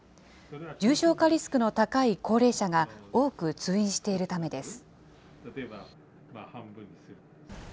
重症化リスクの高い高齢者が多く通院しているためです。